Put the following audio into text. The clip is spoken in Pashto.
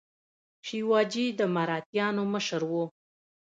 شیواجي د مراتیانو مشر و.